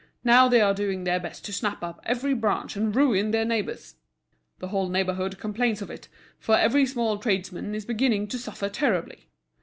Now they are doing their best to snap up every branch and ruin their neighbours. The whole neighbourhood complains of it, for every small tradesman is beginning to suffer terribly.